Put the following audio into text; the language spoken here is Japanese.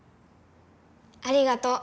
ありがとう。